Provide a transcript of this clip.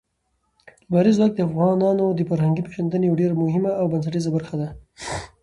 لمریز ځواک د افغانانو د فرهنګي پیژندنې یوه ډېره مهمه او بنسټیزه برخه ده.